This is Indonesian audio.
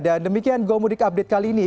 dan demikian gomudik update kali ini